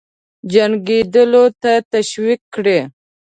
جنګېدلو ته تشویق کړي.